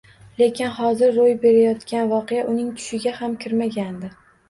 Lekin hozir ro`y berayotgan voqea uning tushiga ham kirmagandi